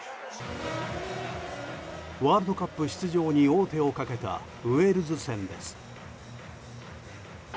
ワールドカップ出場に王手をかけたウェールズ戦です。